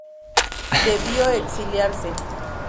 Debió exiliarse.